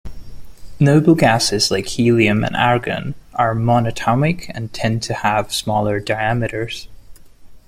Noble gases like helium and argon are monatomic and tend to have smaller diameters.